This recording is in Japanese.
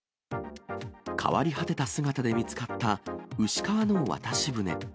変わり果てた姿で見つかった牛川の渡し船。